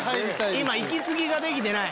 今息継ぎができてない。